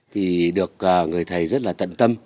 thì được người thầy rất là tận tâm